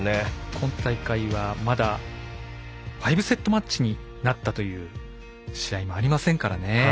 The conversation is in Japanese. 今大会はまだ５セットマッチになったという試合もありませんからね。